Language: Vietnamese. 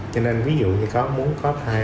cho nên ví dụ như có muốn có thai